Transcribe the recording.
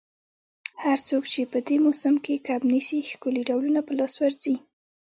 هر څوک چي په دې موسم کي کب نیسي، ښکلي ډولونه په لاس ورځي.